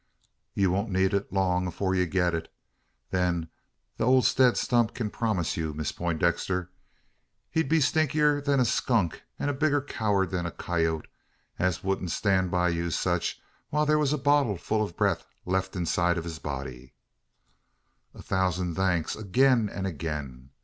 "Ye won't need it long afore ye git it, then; thet ole Zeb Stump kin promise ye, Miss Peintdexter. He'd be stinkiner than a skunk, an a bigger coward than a coyoat, es wouldn't stan' by sech as you, while there wur a bottle full o' breath left in the inside o' his body." "A thousand thanks again and again!